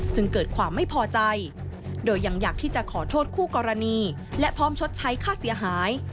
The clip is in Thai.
จึงเกิดความไม่พอใจโดยยังอยากที่จะขอโทษคู่กรณีและพร้อมชดใช้ค่าเสียหาย